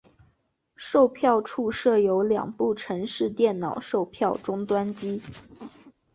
售票处设有两部城市电脑售票终端机。